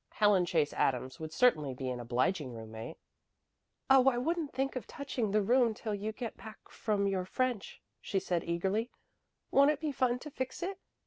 Helen Chase Adams would certainly be an obliging roommate. "Oh, I wouldn't think of touching the room till you get back from your French," she said eagerly. "Won't it be fun to fix it?